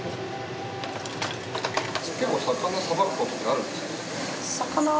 結構魚捌くことってあるんですか？